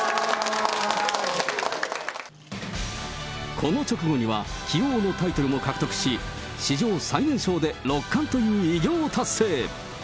この直後には、棋王のタイトルも獲得し、史上最年少で六冠という偉業を達成。